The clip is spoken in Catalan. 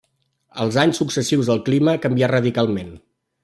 Els anys successius el clima canvià radicalment.